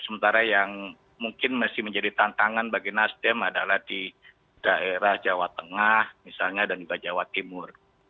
sementara yang mungkin masih menjadi tantangan bagi nasdem adalah di daerah jawa tengah misalnya dan juga jawa timur